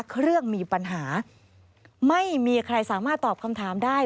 เครื่องมีปัญหาไม่มีใครสามารถตอบคำถามได้